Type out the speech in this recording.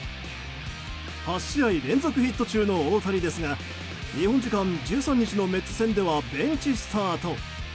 ８試合連続ヒット中の大谷ですが日本時間１３日のメッツ戦ではベンチスタート。